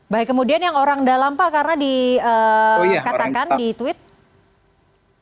baik kemudian yang orang dalam pak karena dikatakan di tweet